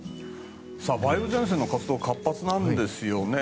梅雨前線の活動が活発なんですよね。